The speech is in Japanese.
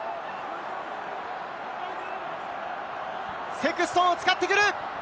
セクストンを使ってくる！